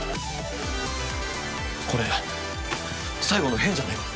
これ最後の変じゃないか？